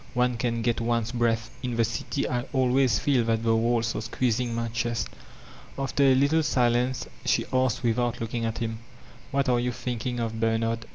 One can get one's breath. In the city I always fed that the walls are squeezing my chest/' After a little silence she asked without looking at him: ''IMiat are you thinkhn of, Bernard?"